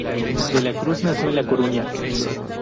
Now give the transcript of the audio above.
De la Cruz nació en La Coruña.